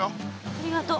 ありがとう。